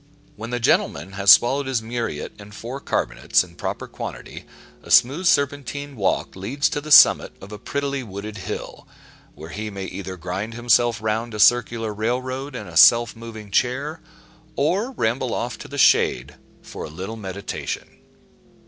When the gentleman has swallowed his muriate and four carbonates in proper quantity, a smooth serpentine walk leads to the summit of a prettily wooded hill, where he may either grind himself round a circular rail road in a self moving chair, or ramble off to the shade, for a little meditation.